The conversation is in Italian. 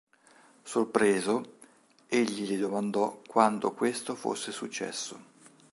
Sorpreso, egli le domandò quando questo fosse successo.